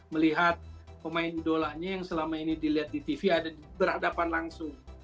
melihat pemain idolanya yang selama ini dilihat di tv ada berhadapan langsung